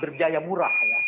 berbiaya murah ya